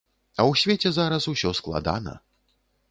А ў свеце зараз усё складана.